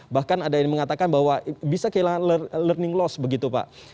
bahkan ada yang mengatakan bahwa bisa kehilangan learning loss begitu pak